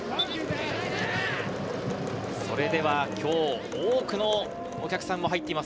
それでは今日、多くのお客さんも入っています。